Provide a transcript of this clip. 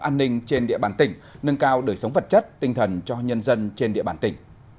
an ninh trên địa bàn tỉnh nâng cao đời sống vật chất tinh thần cho nhân dân trên địa bàn tỉnh